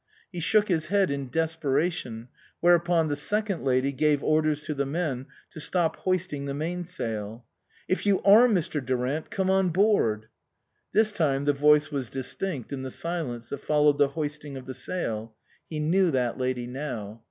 He shook his head in desperation, where upon the second lady gave orders to the men to stop hoisting the main sail. " If you are Mr. Durant, come on board !" This time the voice was distinct in the silence that followed the hoisting of the sail. He knew that lady now.